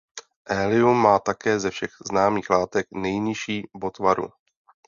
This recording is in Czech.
Helium má také ze všech známých látek nejnižší bod varu.